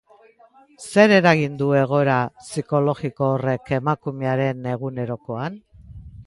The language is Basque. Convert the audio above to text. Ze eragin du egoera psikologiko horrek emakumearen egunerokoan?